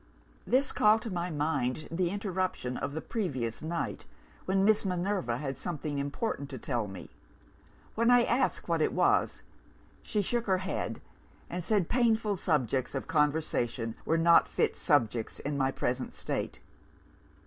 "This called to my mind the interruption of the previous night, when Miss Minerva had something important to tell me. When I asked what it was, she shook her head, and said painful subjects of conversation were not fit subjects in my present state.